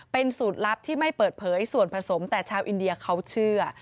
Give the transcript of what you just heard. เป็นสูตรลับที่ไม่เปิดเผยส่วนผสมแต่ชาวอินเดียเขาเชื่อ